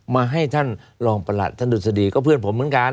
มาให้ท่านรองประหลัดท่านดุษฎีก็เพื่อนผมเหมือนกัน